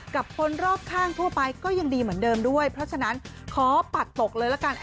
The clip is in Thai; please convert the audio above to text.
กับคนรอบข้างทั่วไปก็ยังดีเหมือนเดิมด้วยเพราะฉะนั้นขอปัดตกเลยละกัน